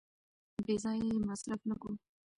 بې ځایه یې مصرف نه کړو.